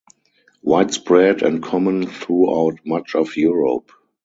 Widespread and common throughout much of Europe.